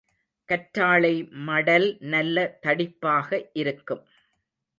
கற்றாழைமடல் நல்ல தடிப்பாக இருக்கும்.